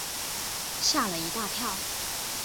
吓了一大跳